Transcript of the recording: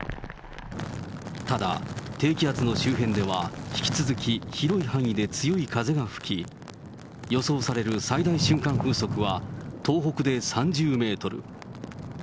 ただ、低気圧の周辺では、引き続き広い範囲で強い風が吹き、予想される最大瞬間風速は、東北で３０メートル。